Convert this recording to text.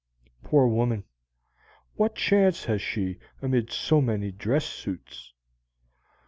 Poor woman, what chance has she amid so many dress suits?